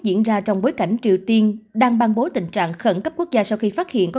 diễn ra trong bối cảnh triều tiên đang ban bố tình trạng khẩn cấp quốc gia sau khi phát hiện có